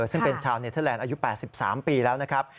ซึ่งเป็นชาวเนเทอร์แลนด์อายุ๘๓ปีแล้วนะครับ